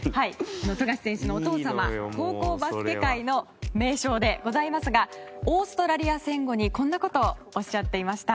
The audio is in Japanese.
富樫選手のお父様高校バスケ界の名将ですがオーストラリア戦後にこんなことをおっしゃっていました。